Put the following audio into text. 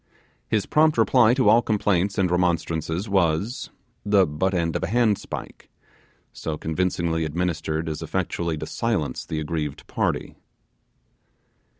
His prompt reply to all complaints and remonstrances was the butt end of a handspike, so convincingly administered as effectually to silence the aggrieved party.